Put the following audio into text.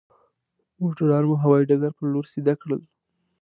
موټران مو هوايي ډګر پر لور سيده کړل.